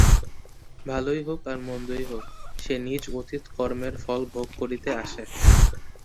ভালই হউক আর মন্দই হউক, সে নিজ অতীত কর্মের ফল ভোগ করিতে আসে।